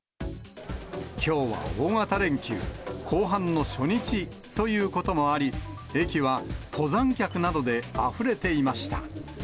きょうは大型連休後半の初日ということもあり、駅は登山客などであふれていました。